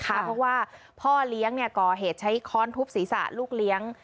เพราะว่าพ่อเลี้ยงก่อเหตุใช้ค้อนทุบศีรษะลูกเลี้ยง